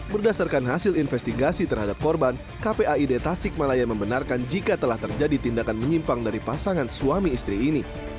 berdasarkan hasil investigasi terhadap korban kpaid tasik malaya membenarkan jika telah terjadi tindakan menyimpang dari pasangan suami istri ini